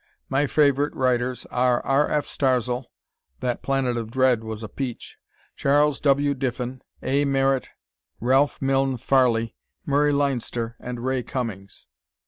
My favorite writers are R. F. Starzl (that "Planet of Dread" was a peach). Chas. W. Diffin, A. Merritt, Ralph Milne Farley, Murray Leinster and Ray Cummings.